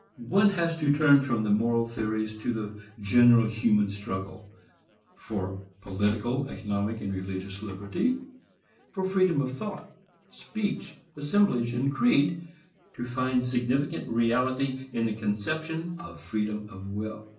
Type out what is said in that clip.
One has to turn from moral theories to the general human struggle for political, economic and religious liberty, for freedom of thought, speech, assemblage and creed, to find significant reality in the conception of freedom of will.